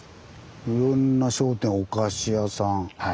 いろんな商店お菓子屋さん。